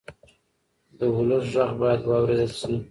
د ولس غږ باید واورېدل شي.